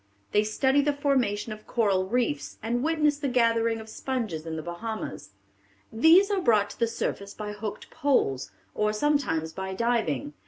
They study the formation of coral reefs, and witness the gathering of sponges in the Bahamas. "These are brought to the surface by hooked poles, or sometimes by diving.